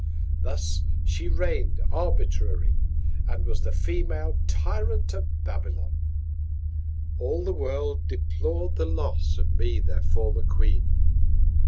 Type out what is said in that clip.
Thus she reign'd arbitrary, and was the Female Tyrant of Babylon. All the World deplor'd the Loss of me their former Queen.